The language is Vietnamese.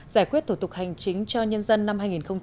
giải quyết thủ tục hành chính cho nhân dân năm hai nghìn một mươi tám